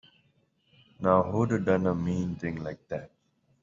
Now who'da done a mean thing like that?